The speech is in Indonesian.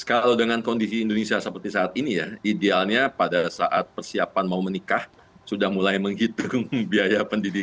kalau dengan kondisi indonesia seperti saat ini ya idealnya pada saat persiapan mau menikah sudah mulai menghitung biaya pendidikan